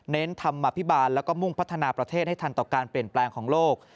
ธรรมอภิบาลแล้วก็มุ่งพัฒนาประเทศให้ทันต่อการเปลี่ยนแปลงของโลก